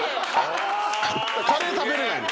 カレー食べれないんで。